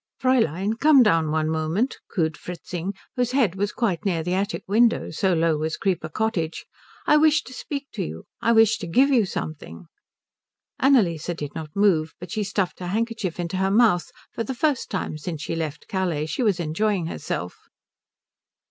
"Fräulein, come down one moment," cooed Fritzing, whose head was quite near the attic window so low was Creeper Cottage. "I wish to speak to you. I wish to give you something." Annalise did not move, but she stuffed her handkerchief into her mouth; for the first time since she left Calais she was enjoying herself.